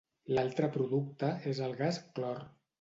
L'altre producte és el gas clor.